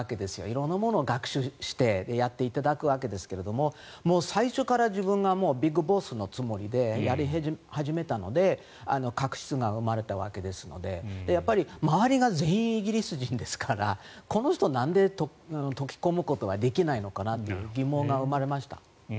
色んなものを学習してやっていただくわけですけれど最初から自分がビッグボスのつもりでやり始めたので確執が生まれたわけですので周りが全員イギリス人ですからこの人、なんで溶け込むことができないのかなという疑問が生まれました。